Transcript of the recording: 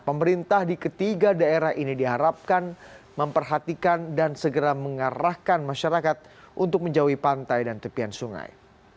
pemerintah di ketiga daerah ini diharapkan memperhatikan dan segera mengarahkan masyarakat untuk menjauhi pantai dan tepian sungai